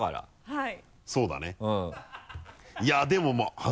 はい。